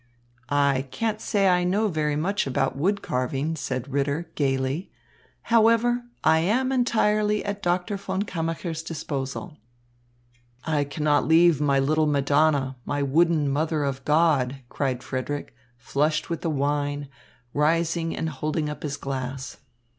"I can't say I know very much about wood carving," said Ritter, gaily. "However, I am entirely at Doctor von Kammacher's disposal." "I cannot leave my little Madonna, my wooden Mother of God," cried Frederick, flushed with the wine, rising and holding up his glass.